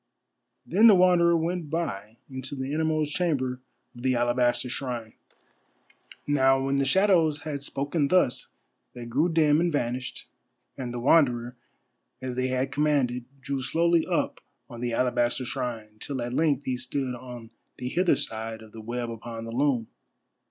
Then the Wanderer went by, into the innermost chamber of the alabaster shrine. Now when the shadows had spoken thus, they grew dim and vanished, and the Wanderer, as they had commanded, drew slowly up on the alabaster shrine, till at length he stood on the hither side of the web upon the loom.